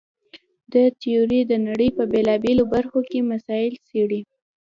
دا تیوري د نړۍ په بېلابېلو برخو کې مسایل څېړي.